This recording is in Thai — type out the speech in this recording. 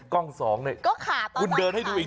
กล้องสองนี่จะเดินอย่างไหน